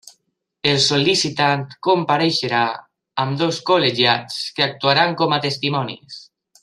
El sol·licitant compareixerà amb dos col·legiats que actuaran com a testimonis.